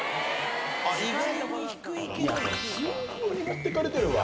痛風にもってかれてるわ。